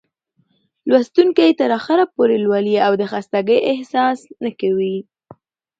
لوستونکى يې تر اخره پورې لولي او د خستګۍ احساس نه کوي.